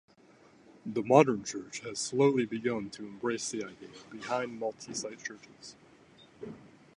The modern church has slowly begun to embrace the idea behind multisite churches.